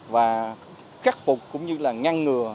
và khắc phục cũng như là ngăn ngừa